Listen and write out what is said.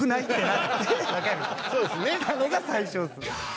なったのが最初です。